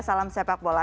salam sepak bola